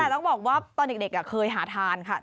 แต่ต้องบอกว่าตอนเด็กเคยหาทานค่ะ